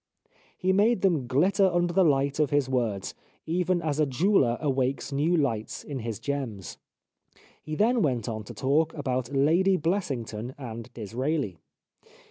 He made them glitter under the hght of his words, even as a jeweller awakes new lights in his gems. " He then went on to talk about Lady Bless ington and Disraeli.